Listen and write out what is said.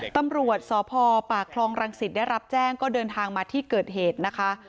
ตำรวจสพปากคลองรังสิตได้รับแจ้งก็เดินทางมาที่เกิดเหตุนะคะ